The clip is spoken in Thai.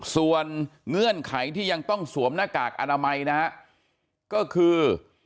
ส่วนเงื่อนไขที่ยังต้องสวมหน้ากากอนามัยนะฮะก็คือ